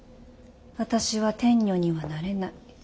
私は天女にはなれない。